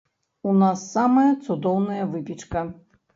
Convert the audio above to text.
У нас самая цудоўная выпечка!